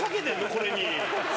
これに。